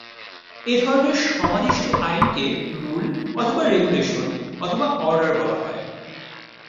এধরনের সমাদিষ্ট আইনকে রুল অথবা রেগুলেশন অথবা অর্ডার বলা হয়।